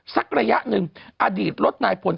สักระยะหนึ่งอดีตรถนายพล